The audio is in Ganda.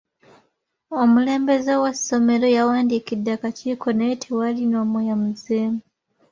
Omulembeze w'essomero yawandiikidde akakiiko naye tewali n'omu yazzeemu.